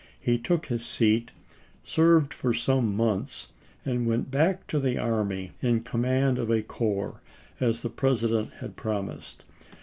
He took his seat, served for some months, and went back to the army in command of a corps, as the President had promised.